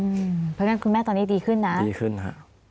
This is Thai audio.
เพราะฉะนั้นคุณแม่ตอนนี้ดีขึ้นนะดีขึ้นฮะ